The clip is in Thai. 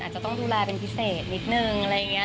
อาจจะต้องดูแลเป็นพิเศษนิดนึงอะไรอย่างนี้